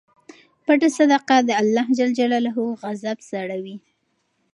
پټه صدقه د اللهﷻ غضب سړوي.